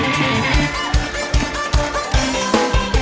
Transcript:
บอร์ด่วม